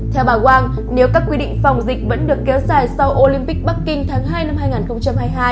theo bà wang nếu các quy định phòng dịch vẫn được kéo dài sau olympic bắc kinh tháng hai năm hai nghìn hai mươi hai